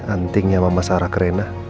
antingnya mama sarah ke rena